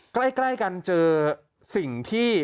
ใกล้กันเจอสิ่งที่